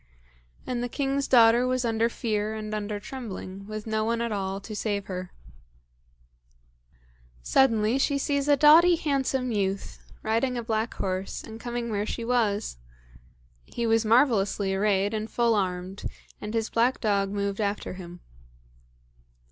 And the king's daughter was under fear and under trembling, with no one at all to save her. Suddenly she sees a doughty handsome youth, riding a black horse, and coming where she was. He was marvellously arrayed and full armed, and his black dog moved after him.